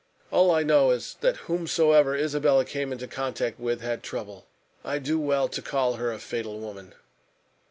All I know is that whomsoever Isabella came into contact with had trouble. I do well to call her a fatal woman."